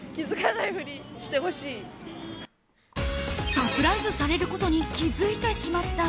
サプライズされることに気づいてしまった。